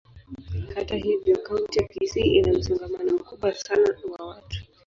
Hata hivyo, kaunti ya Kisii ina msongamano mkubwa sana wa watu.